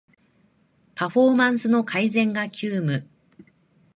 パフォーマンスの改善が急務